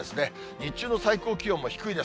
日中の最高気温も低いです。